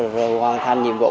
rồi hoàn thành nhiệm vụ